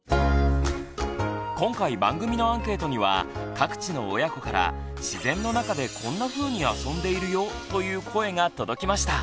今回番組のアンケートには各地の親子から自然の中でこんなふうにあそんでいるよ！という声が届きました。